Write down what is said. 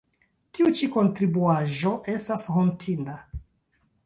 Tiu ĉi kontribuaĵo estas hontinda.